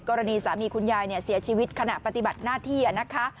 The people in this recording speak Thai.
กรณีสามีคุณยายเสียชีวิตขณะปฏิบัติหน้าที่นะคะ